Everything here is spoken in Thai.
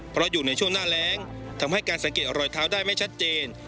เพราะอยู่ในช่วงหน้าแรงทำให้การสังเกตรอยเท้าได้ไม่ชัดเจน